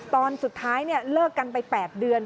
ตอนสุดท้ายเลิกกันไป๘เดือน